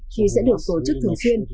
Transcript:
khi sẽ được tổ chức thường xuyên